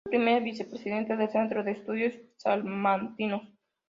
Fue el primer vicepresidente del Centro de Estudios Salmantinos.